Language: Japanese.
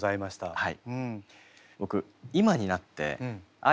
はい。